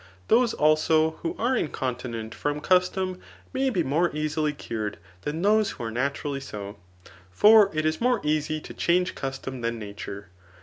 Those, also, who are incontinent from custom, may be more easily cured than those who are naturally so } for it is more easy to change custom than nature.